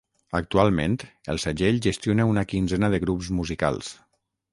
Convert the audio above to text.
Actualment, el segell gestiona una quinzena de grups musicals.